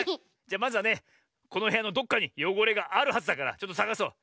じゃまずはねこのへやのどこかによごれがあるはずだからちょっとさがそう。